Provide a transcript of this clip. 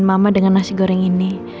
mama dengan nasi goreng ini